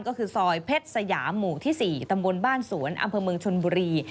ก็คือซอยเพชรสยามหมู่ที่๔ตำบลบ้านสวนอำเภอเมืองชนบุรี